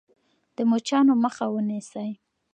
د مچانو مخه ونیسئ.